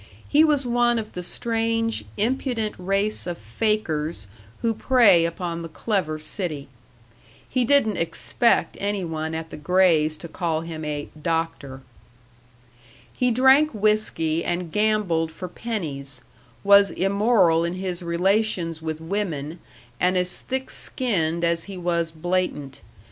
He was one of the strange, impudent race of fakers who prey upon the clever city. He didn't expect any one at the Grays' to call him a "doctor." He drank whisky and gambled for pennies, was immoral in his relations with women and as thick skinned as he was blatant.